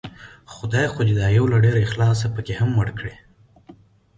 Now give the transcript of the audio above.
خدای خو دې دا يو له ډېر اخلاصه پکې هم مړ کړي